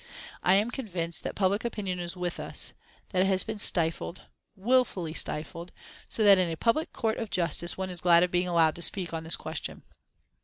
I am convinced that public opinion is with us that it has been stifled wilfully stifled so that in a public Court of Justice one is glad of being allowed to speak on this question."